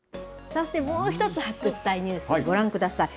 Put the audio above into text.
そしてもう一つ発掘隊ニュース、ご覧ください。